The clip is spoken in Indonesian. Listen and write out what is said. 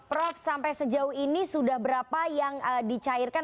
prof sampai sejauh ini sudah berapa yang dicairkan